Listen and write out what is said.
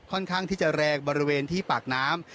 ค่อนข้างที่จะแรงบริเวณที่ปากน้ำ